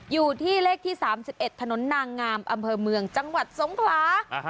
อยู่ที่เลขที่๓๑ถนนนางงามอำเภอเมืองจังหวัดสงขลา